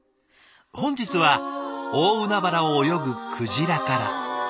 本日は大海原を泳ぐ鯨から。